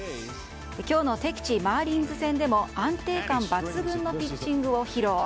今日の敵地マーリンズ戦でも安定感抜群のピッチングを披露。